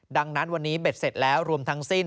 ดังนั้นวันนี้เบ็ดเสร็จแล้วรวมทั้งสิ้น